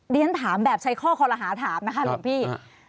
เรียนถามแบบใช้ข้อคอลหาถามนะคะหลวงพี่